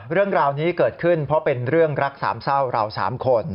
เรื่องราวนี้เกิดขึ้นเพราะเป็นเรื่องรักสามเศร้าเราสามคน